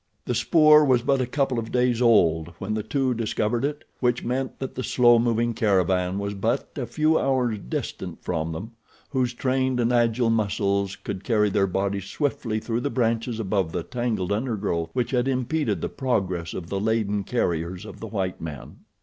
The spoor was but a couple of days old when the two discovered it, which meant that the slow moving caravan was but a few hours distant from them whose trained and agile muscles could carry their bodies swiftly through the branches above the tangled undergrowth which had impeded the progress of the laden carriers of the white men.